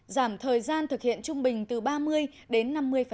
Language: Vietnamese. giảm thời gian thực hiện trung bình từ ba mươi đến năm mươi